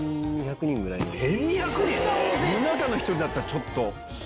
その中の１人だとちょっと。